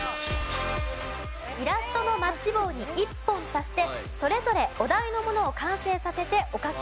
イラストのマッチ棒に１本足してそれぞれお題のものを完成させてお書きください。